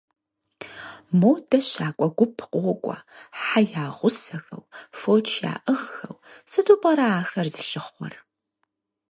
Модэ щакӀуэ гуп къокӀуэ хьэ ягъусэхэу, фоч яӀыгъхэу, сыту пӀэрэ ахэр зылъыхъуэр?